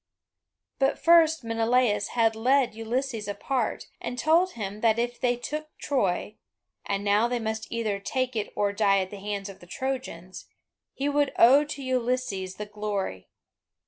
But first Menelaus had led Ulysses apart, and told him that if they took Troy (and now they must either take it or die at the hands of the Trojans), he would owe to Ulysses the glory.